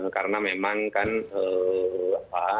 karena memang kan apa